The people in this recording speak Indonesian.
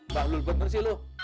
makhlul berkensi lu